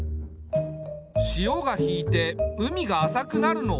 潮が引いて海が浅くなるのを待つのか。